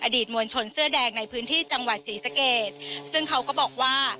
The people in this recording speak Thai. มวลชนเสื้อแดงในพื้นที่จังหวัดศรีสะเกดซึ่งเขาก็บอกว่า